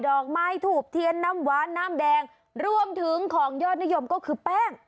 ดอกไม้ถูกเทียนน้ำหวานน้ำแดงรวมถึงของยอดนิยมก็คือแป้ง